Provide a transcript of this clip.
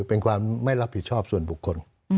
เป็นความไม่รับผิดชอบส่วนบุคคล